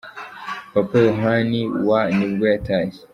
Papa Yohani wa nibwo yatashye.